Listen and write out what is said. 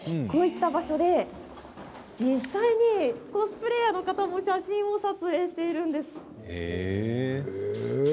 こういった場所で実際にコスプレーヤーの方たちも写真撮影をしているんです。